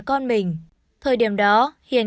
con mình thời điểm đó hiền